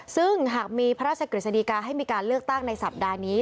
ซึ่งหากมีพระราชกฤษฎีกาให้มีการเลือกตั้งในสัปดาห์นี้